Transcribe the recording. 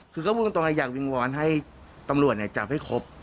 คือก็พูดตรงอยากวิงวอนให้ตำรวจจับให้ครบ